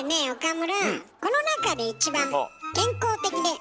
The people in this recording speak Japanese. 岡村。